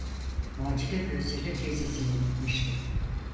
Macide gözlerini teyzesine dikmişti.